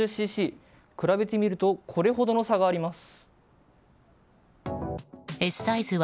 比べてみるとこれほどの差があります。